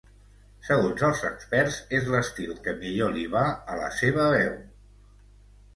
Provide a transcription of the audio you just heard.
Segons els experts, és l'estil que millor li va a la seua veu.